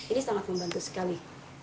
ini sangat membantu sekali